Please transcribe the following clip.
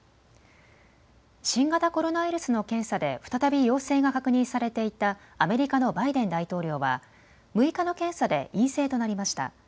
新型コロナウイルスの検査で再び陽性が確認されていたアメリカのバイデン大統領は６日の検査で陰性となりました。